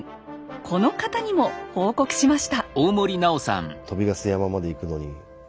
この方にも報告しました。